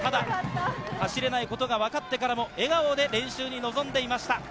走れないことがわかってからも笑顔で練習に臨んでいました。